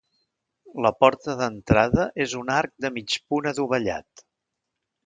La porta d'entrada és un arc de mig punt adovellat.